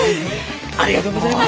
ありがとうございます。